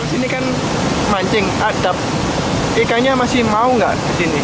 di sini kan mancing adab ikannya masih mau nggak di sini